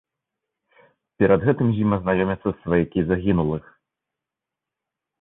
Перад гэтым з ім азнаёмяцца сваякі загінулых.